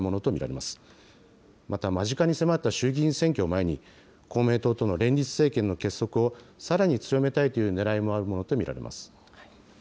また間近に迫った衆議院選挙を前に、公明党との連立政権の結束をさらに強めたいというねらいもあるものと見られます。